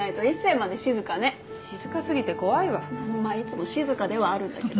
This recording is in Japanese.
まあいつも静かではあるんだけど。